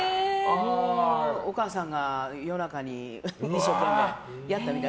お母さんが夜中に一生懸命やったみたい。